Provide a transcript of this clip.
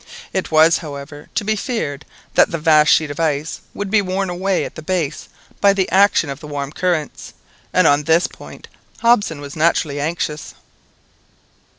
It was, however, to be feared that the vast sheet of ice would be worn away at the base by the action of the warm currents, and on this point Hobson was naturally anxious.